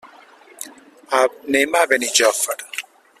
Anem a Benijòfar.